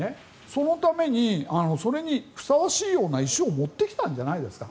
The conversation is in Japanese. そのためにそれにふさわしいような石を持ってきたんじゃないですか。